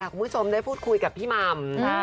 คุณผู้ชมได้พูดคุยกับพี่หม่ำ